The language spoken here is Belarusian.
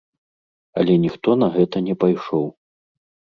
Але ніхто на гэта не пайшоў.